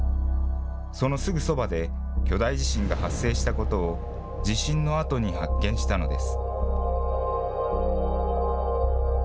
そのすぐそばで巨大地震が発生したことを、地震のあとに発見したのです。